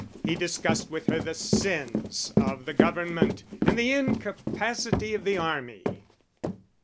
He discussed with her the sins of the government and the incapacity of the army.